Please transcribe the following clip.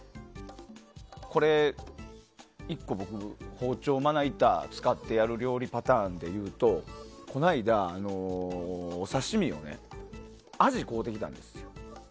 これ１個、僕包丁、まな板使ってやる料理パターンでいうとこの間、お刺し身をアジを買うてきたんですよ。